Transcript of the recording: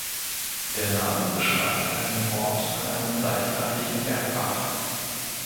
Der Name beschreibt einen Ort an einem salzhaltigen Bergbach.